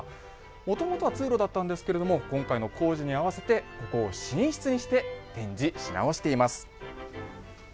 もともとは通路だったんですけれども今回の工事に合わせてここを寝室にして展示しなおしています。